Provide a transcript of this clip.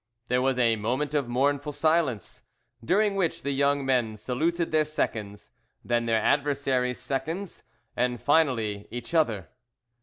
There was a moment of mournful silence, during which the young men saluted their seconds, then their adversary's seconds, and finally each other.